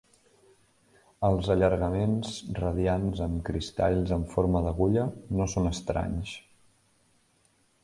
Els allargaments radiants amb cristalls en forma d'agulla no són estranys.